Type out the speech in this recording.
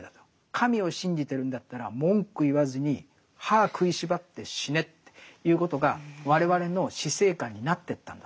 神を信じてるんだったら文句言わずに歯食いしばって死ねっていうことが我々の死生観になってったんだと思うんです。